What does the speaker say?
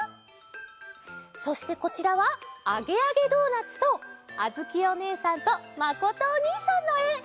そしてこちらは「あげあげドーナツ」とあづきおねえさんとまことおにいさんのえ！